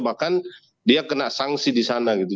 bahkan dia kena sanksi disana gitu